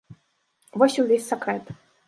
Вось і ўвесь сакрэт.